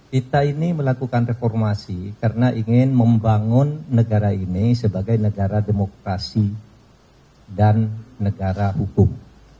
kita ini melakukan reformasi karena ingin membangun negara ini sebagai negara demokrasi dan negara hukum